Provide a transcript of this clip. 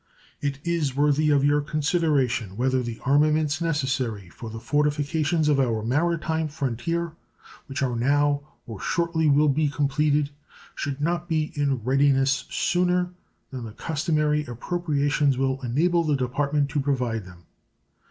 It is worthy of your consideration whether the armaments necessary for the fortifications on our maritime frontier which are now or shortly will be completed should not be in readiness sooner than the customary appropriations will enable the Department to provide them.